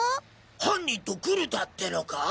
犯人とグルだってのか！？